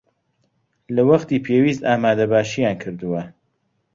لە وەختی پێویست ئامادەباشییان کردووە